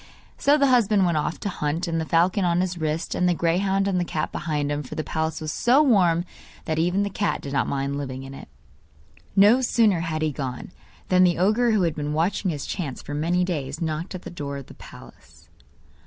So the husband went off to hunt, with the falcon on his wrist, and the greyhound and the cat behind him for the palace was so warm that even the cat did not mind living in it. No sooner had he gone, than the ogre who had been watching his chance for many days, knocked at the door of the palace.